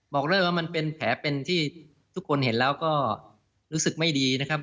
บอกเลยว่ามันเป็นแผลเป็นที่ทุกคนเห็นแล้วก็รู้สึกไม่ดีนะครับ